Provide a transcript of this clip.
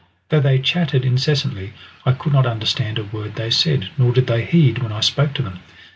Though they chattered incessantly I could not understand a word they said, nor did they heed when I spoke to them.